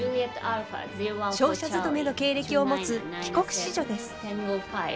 商社勤めの経歴を持つ帰国子女です。